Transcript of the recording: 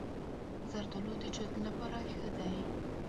زردالو د جلد لپاره ښه دی.